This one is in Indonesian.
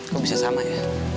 kok bisa sama ya